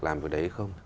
làm việc đấy không